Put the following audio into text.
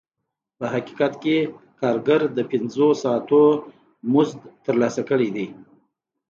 په حقیقت کې کارګر د پنځه ساعتونو مزد ترلاسه کړی دی